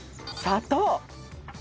砂糖。